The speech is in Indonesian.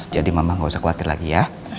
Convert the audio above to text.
jadi mama gak usah khawatir lagi ya